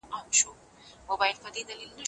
د کار ځواک د روزنې پروګرامونه د تولید کچه بدلوي.